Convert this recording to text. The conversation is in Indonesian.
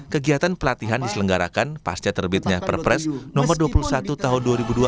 kegiatan pelatihan diselenggarakan pasca terbitnya perpres nomor dua puluh satu tahun dua ribu dua puluh